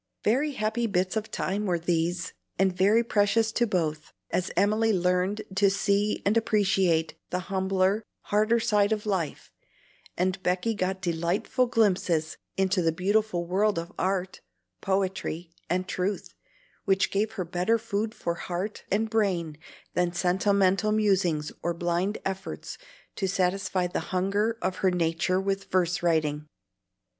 Very happy bits of time were these, and very precious to both, as Emily learned to see and appreciate the humbler, harder side of life, and Becky got delightful glimpses into the beautiful world of art, poetry, and truth, which gave her better food for heart and brain than sentimental musings or blind efforts to satisfy the hunger of her nature with verse writing.